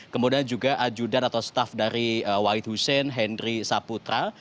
kemudian juga ajudan atau staff dari wahid hussein henry saputra